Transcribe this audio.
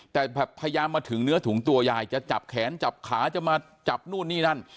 แต่แบบพยายามมาถึงเนื้อถุงตัวยายจะจับแขนจับขาจะมาจับนู่นนี่นั่น